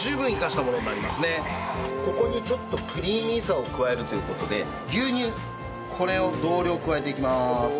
ここにちょっとクリーミーさを加えるという事で牛乳これを同量加えていきます。